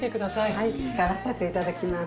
はい使わせていただきます。